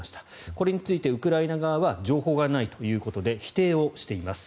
これについてウクライナ側は情報がないということで否定をしています。